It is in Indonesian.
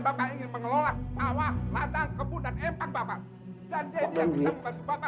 bapak ingin mengelola tawang ladang kebun dan empak bapak dan jadi